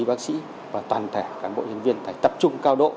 y bác sĩ và toàn thể cán bộ nhân viên phải tập trung cao độ